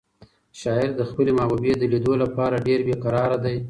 شاعر د خپلې محبوبې د لیدو لپاره ډېر بې قراره دی.